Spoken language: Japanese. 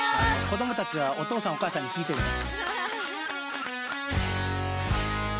子供たちはお父さんお母さんに聞いてね。